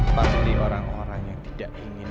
pasti orang orang yang tidak ingin islam